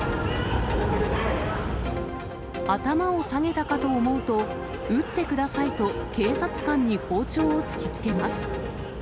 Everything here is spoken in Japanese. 頭を下げたかと思うと、撃ってくださいと警察官に包丁を突きつけます。